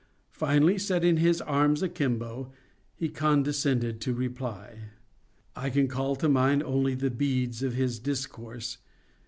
Finally, setting his arms a kimbo, he condescended to reply. I can call to mind only the heads of his discourse.